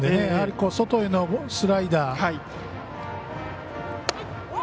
やはり外へのスライダー。